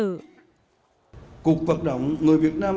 cục vận động người việt nam ưu tiên dùng hàng việt nam